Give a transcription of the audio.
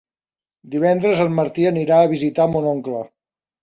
Divendres en Martí anirà a visitar mon oncle.